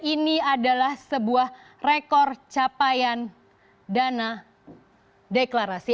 ini adalah sebuah rekor capaian dana deklarasi